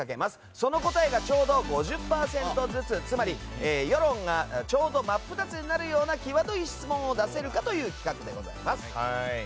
その答えが５０％ずつつまり世論がちょうど真っ二つになるようなきわどい質問を出せるかという企画でございます。